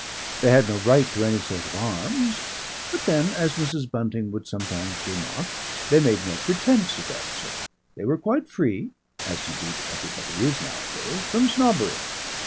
They had no right to any sort of arms. But then, as Mrs. Bunting would sometimes remark, they made no pretence of that sort; they were quite free (as indeed everybody is nowadays) from snobbery.